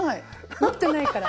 持ってないから。